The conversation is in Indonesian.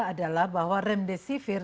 adalah bahwa remdesivir